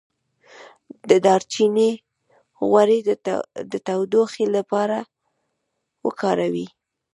د دارچینی غوړي د تودوخې لپاره وکاروئ